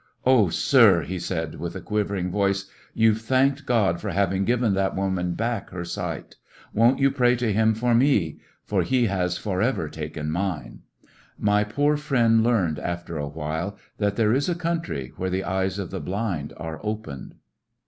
"Oh, sir," he said, with a quivering voice, "you 've thanked Grod for having given that woman back her sight ; won't you pray to Him for me?— for He has forever taken mine." My poor friend learned after a while that there is a country where the eyes of the blind are opened.